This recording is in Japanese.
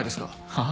はあ？